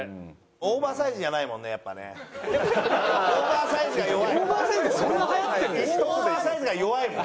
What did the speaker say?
オーバーサイズが弱いもん。